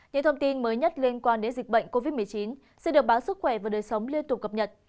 những thông tin mới nhất liên quan đến dịch bệnh covid một mươi chín sẽ được báo sức khỏe và đời sống liên tục cập nhật